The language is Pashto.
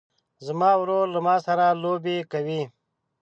زما ورور له ما سره لوبې کوي.